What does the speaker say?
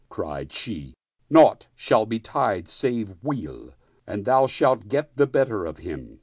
Cried she, " Naught shall betide save weal, and thou shalt get the better of him."